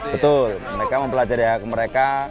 betul mereka mempelajari hak mereka